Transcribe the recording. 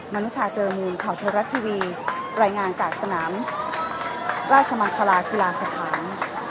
มนุษยาเจริญมูลข่าวไทยรัฐทีวีรายงานจากสนามราชมันคราวกีฬสถาน